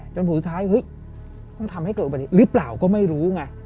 ผลสุดท้ายเฮ้ยต้องทำให้เกิดอุบัติเหตุหรือเปล่าก็ไม่รู้ไง